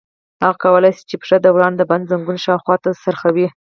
هغه کولای شي چې پښه د ورانه د بند زنګون شاوخوا ته څرخوي.